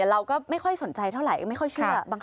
เราก็ไม่ค่อยสนใจเท่าไหร่ก็ไม่ค่อยเชื่อ